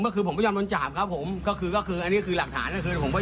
คืนผมไม่ยอมโดนจับครับผมก็คือก็คืออันนี้คือหลักฐานก็คือผมก็